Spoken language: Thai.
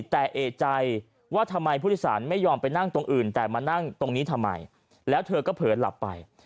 แต่เอกใจว่าทำไมผู้โดยสารไม่ยอมไปนั่งตรงอื่นแต่มานั่งตรงนี้ทำไมแล้วเธอก็เผลอหลับไป